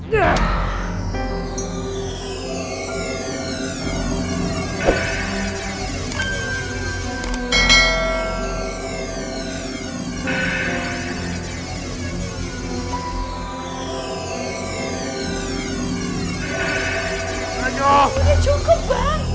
tentu dia cukup bang